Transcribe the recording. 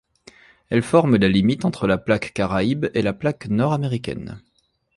Elles forment la limite entre la plaque caraïbe et la plaque nord-américaine.